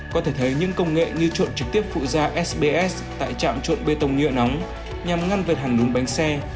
có thể thấy những công nghệ như trộn trực tiếp phụ gia sbs tại trạm trộn bê tông nhựa nóng nhằm ngăn vệt hành đúng bánh xe